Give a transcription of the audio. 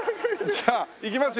じゃあいきますよ。